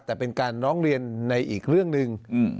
แต่เป็นการร้องเรียนในอีกเรื่องหนึ่ง